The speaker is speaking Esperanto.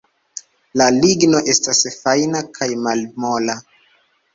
La ligno estas fajna kaj malmola.